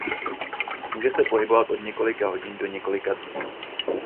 Může se pohybovat od několika hodin do několika dnů.